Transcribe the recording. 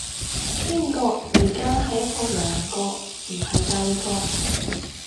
英國而家係一個王國，唔係帝國